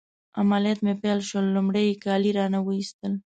عملیات مې پیل شول، لمړی يې کالي رانه وایستل.